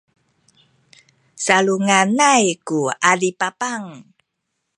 salunganay ku adipapang